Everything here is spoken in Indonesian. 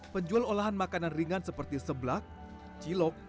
penjual olahan makanan ringan seperti seblak cilok